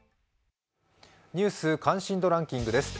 「ニュース関心度ランキング」です。